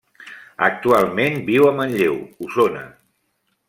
Actualment viu a Manlleu, Osona.